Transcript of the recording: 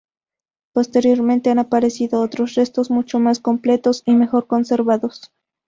Posteriormente han aparecido otros restos mucho más completos y mejor conservados.